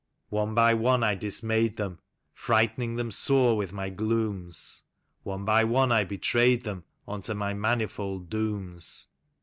One by one I dismayed them, frighting them sore with my glooms; One by one I betrayed them unto my manifold dooms.